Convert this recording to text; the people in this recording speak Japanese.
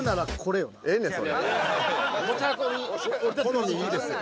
まず好みいいですよ